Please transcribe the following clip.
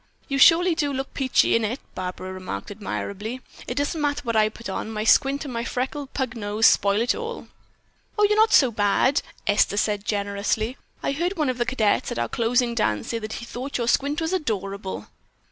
"You surely do look peachy in it," Barbara remarked admirably. "It doesn't matter what I put on, my squint and my freckled pug nose spoil it all." "Oh, you're not so bad!" Esther said generously. "I heard one of the cadets at our closing dance say that he thought your squint was adorable."